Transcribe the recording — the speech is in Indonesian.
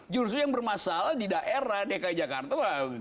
juru suhu yang bermasalah di daerah dki jakarta gampang